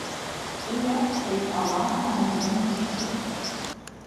Уи акәхеит, ауаа ааизан иршьит.